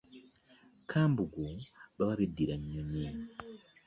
Kambugu baba beddira nnyonyi.